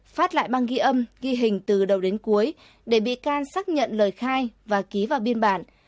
phát lại băng ghi âm ghi hình từ đầu đến cuối để bị can xác nhận lời khai và ký vào biên bản